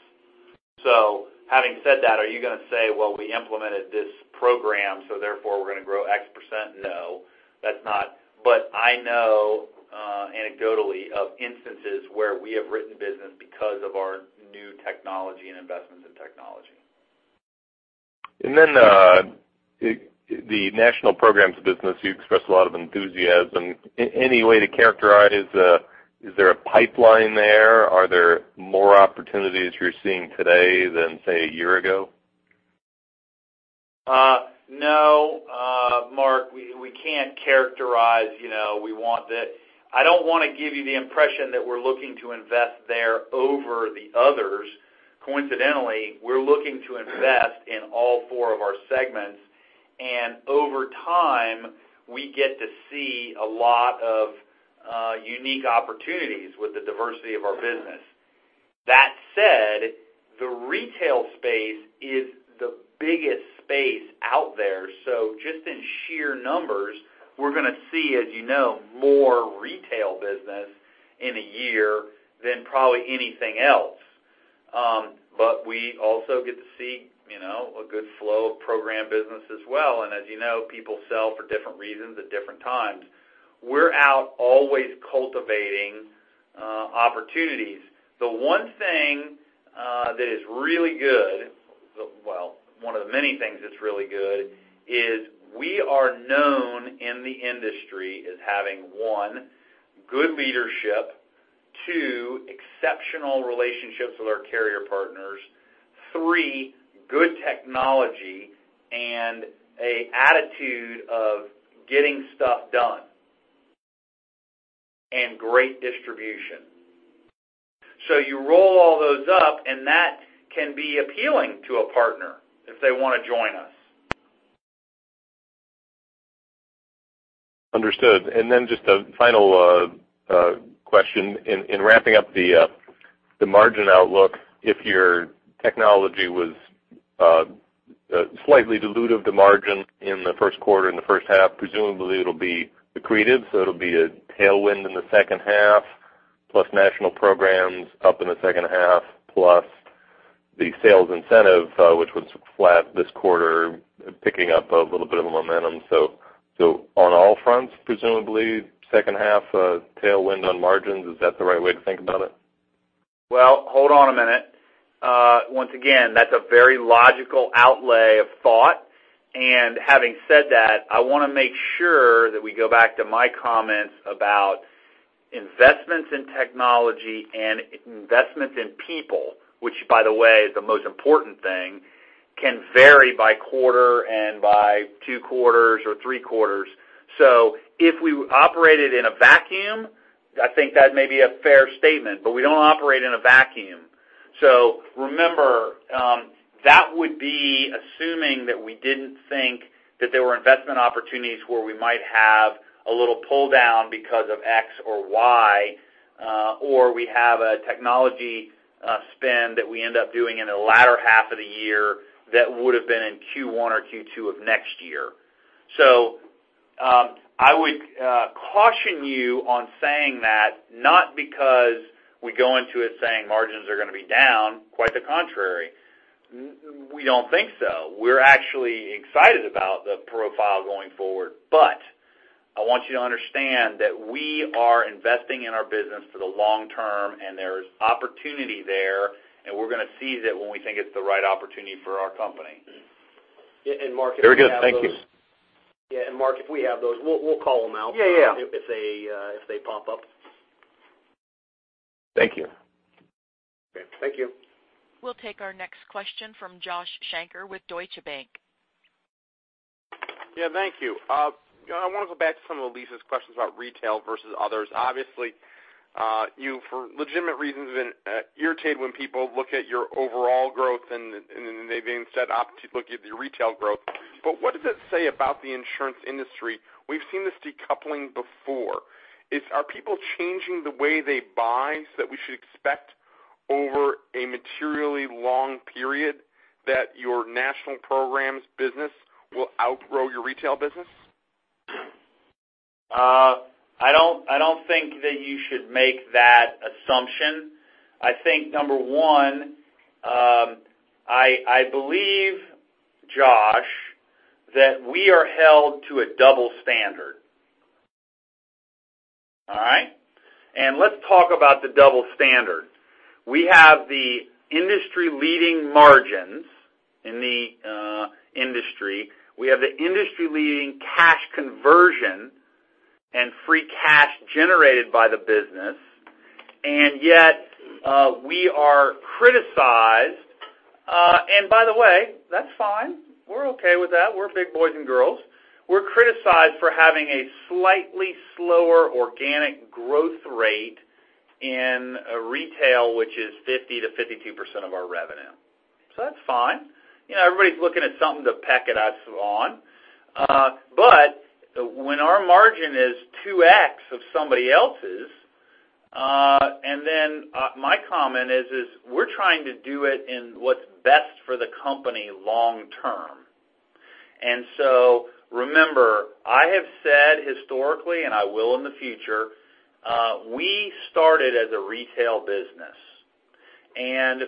Having said that, are you going to say, "Well, we implemented this program, so therefore we're going to grow X%?" No, that's not. I know anecdotally of instances where we have written business because of our new technology and investments in technology. The national programs business, you expressed a lot of enthusiasm. Any way to characterize, is there a pipeline there? Are there more opportunities you're seeing today than, say, a year ago? No, Mark, we can't characterize. I don't want to give you the impression that we're looking to invest there over the others. Coincidentally, we're looking to invest in all four of our segments, and over time, we get to see a lot of unique opportunities with the diversity of our business. That said, the retail space is the biggest space out there. Just in sheer numbers, we're going to see, as you know, more retail business in a year than probably anything else. We also get to see a good flow of program business as well. As you know, people sell for different reasons at different times. We're out always cultivating opportunities. The one thing that is really good, well, one of the many things that's really good, is we are known in the industry as having, one, good leadership, two, exceptional relationships with our carrier partners, three, good technology and a attitude of getting stuff done, and great distribution. You roll all those up, and that can be appealing to a partner if they want to join us. Understood. Just a final question. In wrapping up the margin outlook, if your technology was slightly dilutive to margin in the first quarter and the first half, presumably it'll be accretive. It'll be a tailwind in the second half, plus national programs up in the second half, plus the sales incentive, which was flat this quarter, picking up a little bit of a momentum. On all fronts, presumably, second half tailwind on margins. Is that the right way to think about it? Well, hold on a minute. Once again, that's a very logical outlay of thought. Having said that, I want to make sure that we go back to my comments about investments in technology and investments in people, which by the way, is the most important thing, can vary by quarter and by two quarters or three quarters. If we operated in a vacuum, I think that may be a fair statement. We don't operate in a vacuum. Remember, that would be assuming that we didn't think that there were investment opportunities where we might have a little pull down because of X or Y, or we have a technology spend that we end up doing in the latter half of the year that would've been in Q1 or Q2 of next year. I would caution you on saying that, not because we go into it saying margins are going to be down. Quite the contrary. We don't think so. We're actually excited about the profile going forward. I want you to understand that we are investing in our business for the long term, and there's opportunity there, and we're going to seize it when we think it's the right opportunity for our company. Very good. Thank you. Yeah. Mark, if we have those, we'll call them out- Yeah if they pop up. Thank you. Okay. Thank you. We'll take our next question from Joshua Shanker with Deutsche Bank. Yeah. Thank you. I want to go back to some of Elyse's questions about retail versus others. Obviously, you, for legitimate reasons, have been irritated when people look at your overall growth and they've instead opted to look at your retail growth. What does it say about the insurance industry? We've seen this decoupling before. Are people changing the way they buy, so that we should expect over a materially long period that your national programs business will outgrow your retail business? I don't think that you should make that assumption. I think, number one, I believe, Josh, that we are held to a double standard. All right. Let's talk about the double standard. We have the industry-leading margins in the industry. We have the industry-leading cash conversion and free cash generated by the business, and yet we are criticized. By the way, that's fine. We're okay with that. We're big boys and girls. We're criticized for having a slightly slower organic growth rate in retail, which is 50%-52% of our revenue. That's fine. Everybody's looking at something to peck at us on. When our margin is 2x of somebody else's, and then my comment is we're trying to do it in what's best for the company long term. Remember, I have said historically, and I will in the future, we started as a retail business.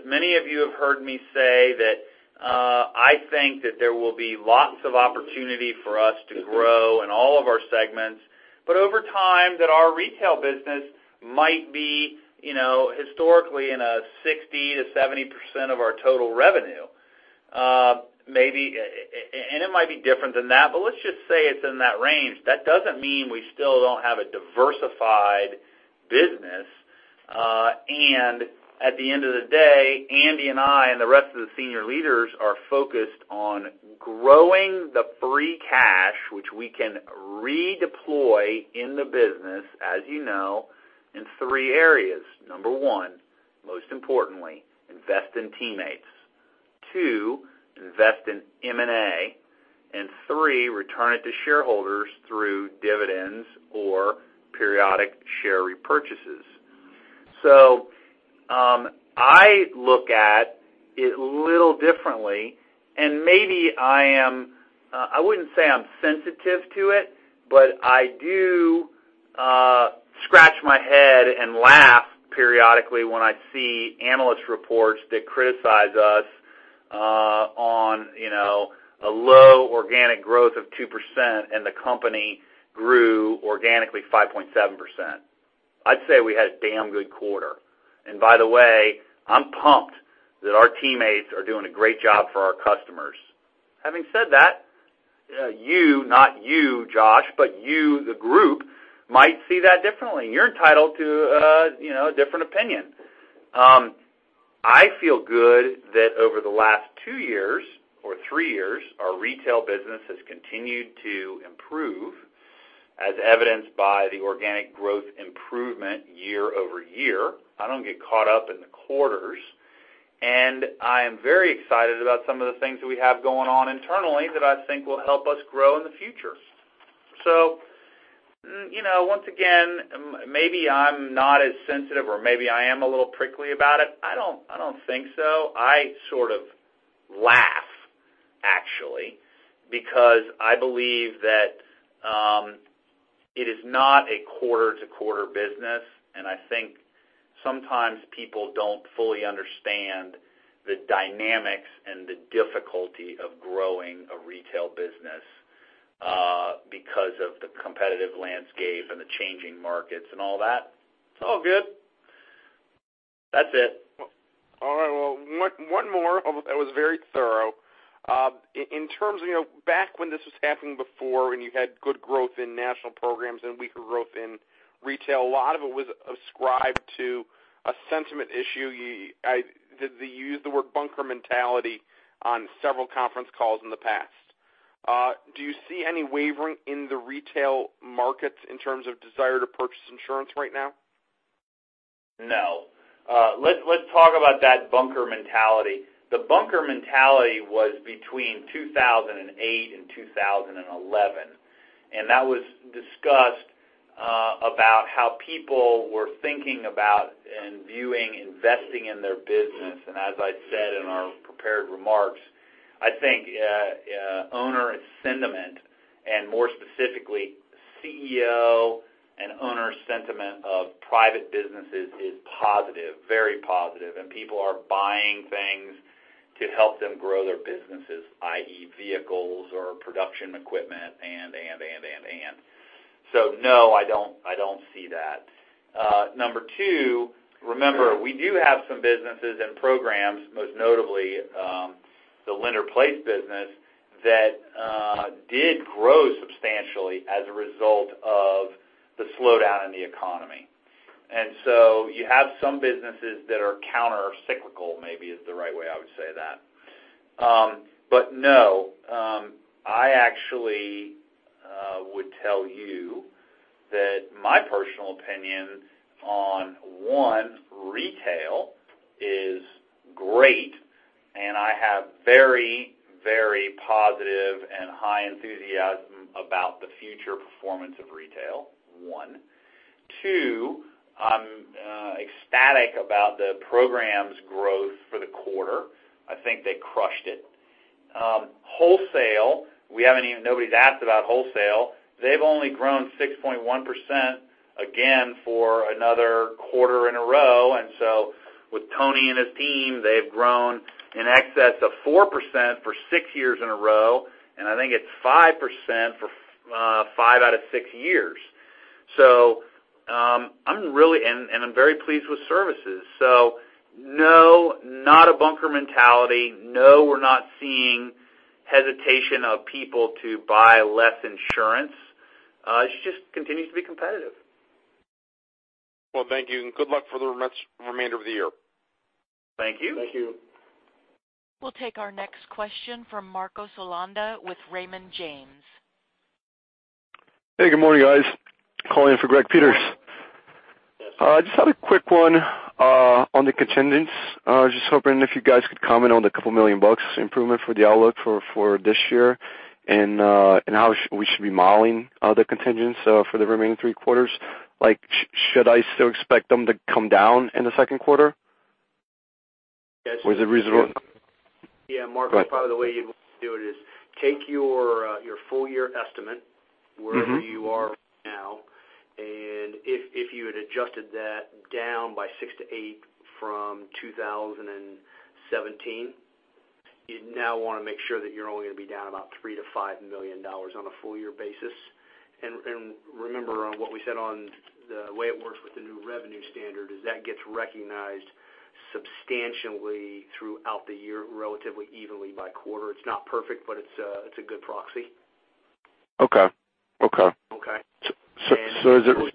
Many of you have heard me say that I think that there will be lots of opportunity for us to grow in all of our segments, but over time, that our retail business might be historically in a 60%-70% of our total revenue. It might be different than that, but let's just say it's in that range. That doesn't mean we still don't have a diversified business. At the end of the day, Andy and I, and the rest of the senior leaders are focused on growing the free cash, which we can redeploy in the business, as you know, in three areas. Number one, most importantly, invest in teammates. Two, invest in M&A. Three, return it to shareholders through dividends or periodic share repurchases. I look at it a little differently, and maybe I wouldn't say I'm sensitive to it, but I do scratch my head and laugh periodically when I see analyst reports that criticize us on a low organic growth of 2% and the company grew organically 5.7%. I'd say we had a damn good quarter. By the way, I'm pumped that our teammates are doing a great job for our customers. Having said that, you, not you, Josh, but you, the group, might see that differently. You're entitled to a different opinion. I feel good that over the last two years or three years, our retail business has continued to improve, as evidenced by the organic growth improvement year-over-year. I don't get caught up in the quarters, I am very excited about some of the things that we have going on internally that I think will help us grow in the future. Once again, maybe I'm not as sensitive or maybe I am a little prickly about it. I don't think so. I sort of laugh, actually, because I believe that it is not a quarter-to-quarter business, I think sometimes people don't fully understand the dynamics and the difficulty of growing a retail business because of the competitive landscape and the changing markets and all that. It's all good. That's it. All right. Well, one more, although that was very thorough. Back when this was happening before, when you had good growth in national programs and weaker growth in retail, a lot of it was ascribed to a sentiment issue. You used the word bunker mentality on several conference calls in the past. Do you see any wavering in the retail markets in terms of desire to purchase insurance right now? Let's talk about that bunker mentality. The bunker mentality was between 2008 and 2011, that was discussed about how people were thinking about and viewing investing in their business. As I said in our prepared remarks, I think owner sentiment, and more specifically, CEO and owner sentiment of private businesses is positive, very positive, and people are buying things to help them grow their businesses, i.e., vehicles or production equipment. No, I don't see that. Number 2, remember, we do have some businesses and programs, most notably, the lender-placed business, that did grow substantially as a result of the slowdown in the economy. You have some businesses that are countercyclical, maybe is the right way I would say that. No, I actually would tell you that my personal opinion on, 1, retail is great, and I have very positive and high enthusiasm about the future performance of retail, 1. 2, I'm ecstatic about the program's growth for the quarter. I think they crushed it. Wholesale, nobody's asked about wholesale. They've only grown 6.1%, again, for another quarter in a row. Tony and his team, they've grown in excess of 4% for six years in a row, and I think it's 5% for five out of six years. I'm very pleased with services. No, not a bunker mentality. No, we're not seeing hesitation of people to buy less insurance. It just continues to be competitive. Well, thank you, and good luck for the remainder of the year. Thank you. Thank you. We'll take our next question from Marco Holanda with Raymond James. Hey, good morning, guys. Calling in for Greg Peters. Yes. Just have a quick one on the contingents. Just hoping if you guys could comment on the couple million bucks improvement for the outlook for this year and how we should be modeling the contingents for the remaining three quarters. Should I still expect them to come down in the second quarter? Yes. Is it reasonable? Yeah, Marco, probably the way you do it is take your full year estimate wherever you are right now, if you had adjusted that down by 6-8 from 2017, you'd now want to make sure that you're only going to be down about $3 million-$5 million on a full year basis. Remember on what we said on the way it works with the new revenue standard is that gets recognized substantially throughout the year, relatively evenly by quarter. It's not perfect, but it's a good proxy. Okay. Okay? Is it?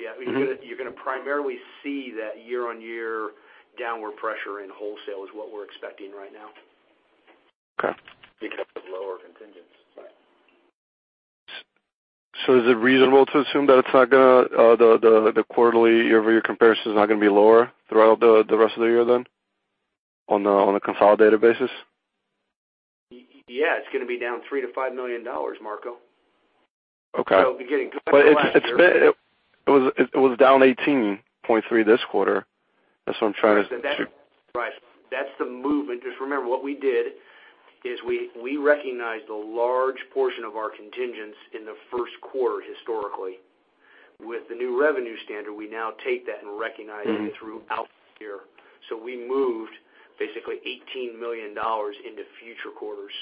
Yeah. You're going to primarily see that year-on-year downward pressure in wholesale is what we're expecting right now. Okay. Because of lower contingents. Is it reasonable to assume that the quarterly year-over-year comparison is not going to be lower throughout the rest of the year then on a consolidated basis? Yeah, it's going to be down $3 million-$5 million, Marco. Okay. It'll be getting closer to last year. It was down 18.3 this quarter. That's what I'm trying to. Right. That's the movement. Just remember, what we did is we recognized a large portion of our contingents in the first quarter historically. With the new Revenue Recognition standard, we now take that and recognize it throughout the year. We moved basically $18 million into future quarters.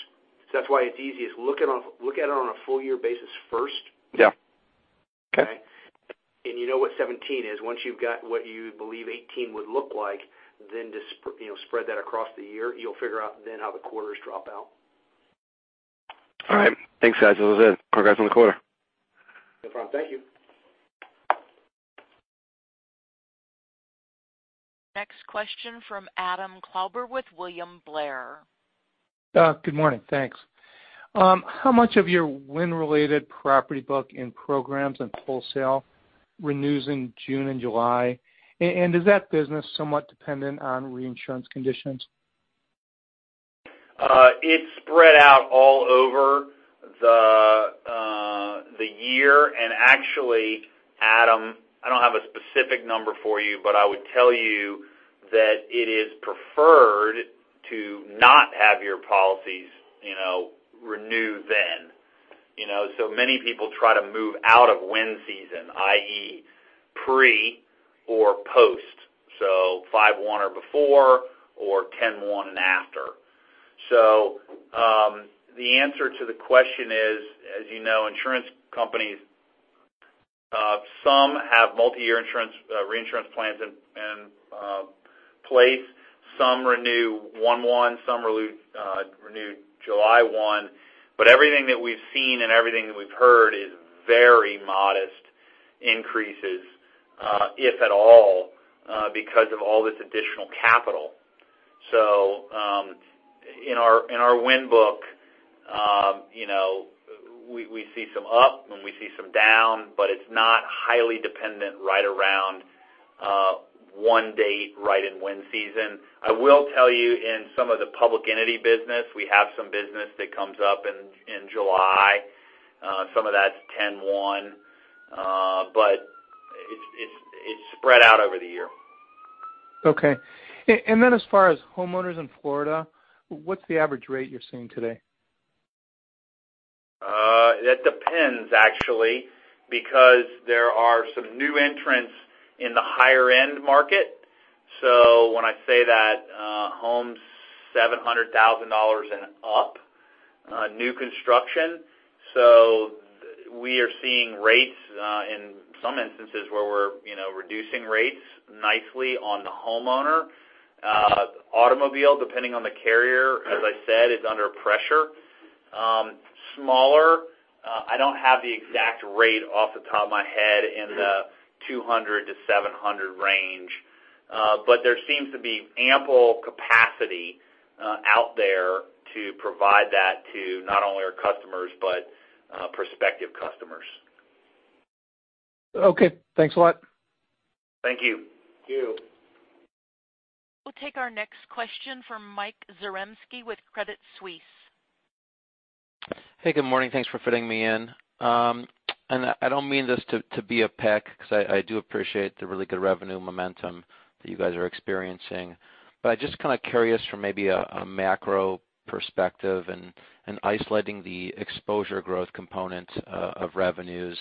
That's why it's easy, is look at it on a full year basis first. Yeah. Okay. You know what 2017 is. Once you've got what you believe 2018 would look like, then just spread that across the year. You'll figure out then how the quarters drop out. All right. Thanks, guys. That was it. Congrats on the quarter. No problem. Thank you. Next question from Adam Klauber with William Blair. Good morning. Thanks. How much of your wind-related property book in programs and wholesale renews in June and July? Is that business somewhat dependent on reinsurance conditions? It's spread out all over the year. Actually, Adam, I don't have a specific number for you, but I would tell you that it is preferred to not have your policies renew then. Many people try to move out of wind season, i.e., pre or post, so 5/1 or before, or 10/1 and after. The answer to the question is, as you know, insurance companies, some have multiyear reinsurance plans in place. Some renew 1/1, some renew July 1, but everything that we've seen and everything that we've heard is very modest increases, if at all, because of all this additional capital. In our wind book, we see some up and we see some down, but it's not highly dependent right around one date right in wind season. I will tell you in some of the public entity business, we have some business that comes up in July. Some of that's 10/1, but it's spread out over the year. Okay. Then as far as homeowners in Florida, what's the average rate you're seeing today? That depends, actually, because there are some new entrants in the higher-end market. When I say that, homes $700,000 and up, new construction. We are seeing rates in some instances where we're reducing rates nicely on the homeowner. Automobile, depending on the carrier, as I said, is under pressure. Smaller, I don't have the exact rate off the top of my head in the 200 to 700 range. There seems to be ample capacity out there to provide that to not only our customers but prospective customers. Okay. Thanks a lot. Thank you. Thank you. We'll take our next question from Michael Zaremski with Credit Suisse. Hey, good morning. Thanks for fitting me in. I don't mean this to be a peck because I do appreciate the really good revenue momentum that you guys are experiencing. I'm just kind of curious from maybe a macro perspective and isolating the exposure growth component of revenues.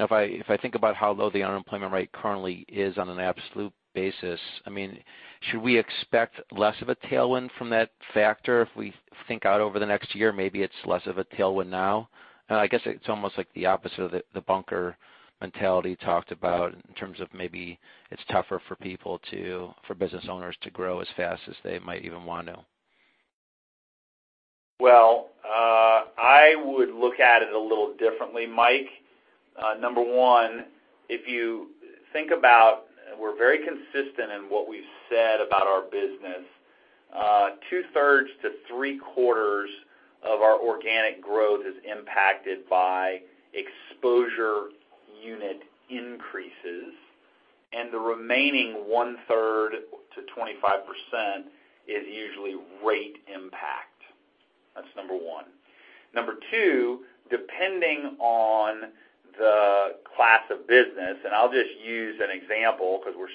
If I think about how low the unemployment rate currently is on an absolute basis, should we expect less of a tailwind from that factor if we think out over the next year? Maybe it's less of a tailwind now. I guess it's almost like the opposite of the bunker mentality talked about in terms of maybe it's tougher for business owners to grow as fast as they might even want to. Well, I would look at it a little differently, Mike. Number one, if you think about, we're very consistent in what we've said about our business. Two-thirds to three-quarters of our organic growth is impacted by exposure unit increases, and the remaining one-third to 25% is usually rate impact. That's number one. Number two, depending on the class of business, I'll just use an example because we're.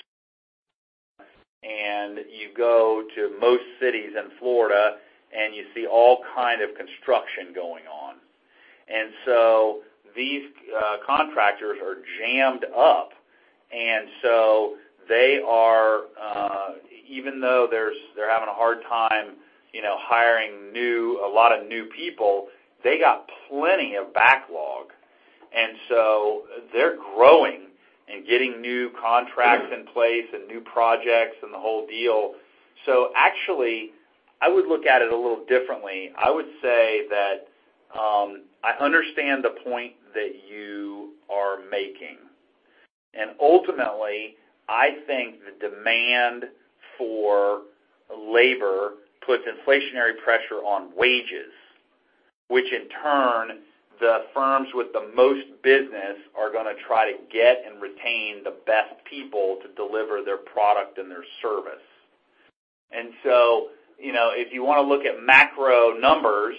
You go to most cities in Florida, and you see all kind of construction going on. These contractors are jammed up. Even though they're having a hard time hiring a lot of new people, they got plenty of backlog. They're growing and getting new contracts in place and new projects and the whole deal. Actually, I would look at it a little differently. I would say that I understand the point that you are making. Ultimately, I think the demand for labor puts inflationary pressure on wages, which in turn, the firms with the most business are going to try to get and retain the best people to deliver their product and their service. If you want to look at macro numbers,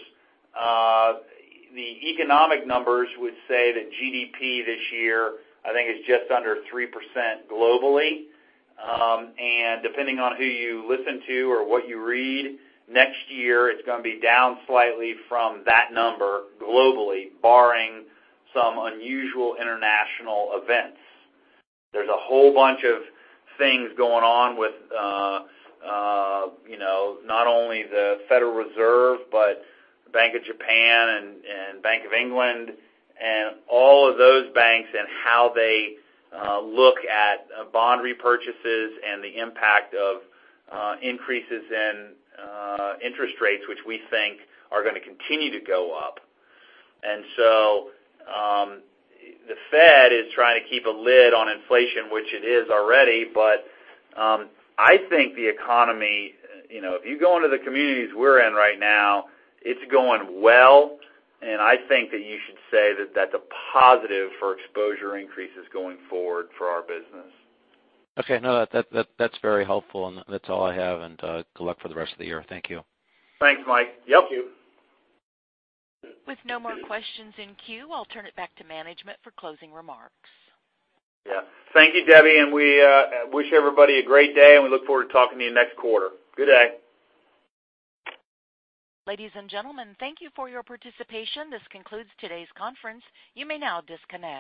the economic numbers would say that GDP this year, I think, is just under 3% globally. Depending on who you listen to or what you read, next year, it's going to be down slightly from that number globally, barring some unusual international events. There's a whole bunch of things going on with, not only the Federal Reserve, but Bank of Japan and Bank of England and all of those banks and how they look at bond repurchases and the impact of increases in interest rates, which we think are going to continue to go up. The Fed is trying to keep a lid on inflation, which it is already. I think the economy, if you go into the communities we're in right now, it's going well, and I think that you should say that that's a positive for exposure increases going forward for our business. Okay. No, that's very helpful, and that's all I have, and good luck for the rest of the year. Thank you. Thanks, Mike. Yep. Thank you. With no more questions in queue, I'll turn it back to management for closing remarks. Yeah. Thank you, Debbie, and we wish everybody a great day, and we look forward to talking to you next quarter. Good day. Ladies and gentlemen, thank you for your participation. This concludes today's conference. You may now disconnect.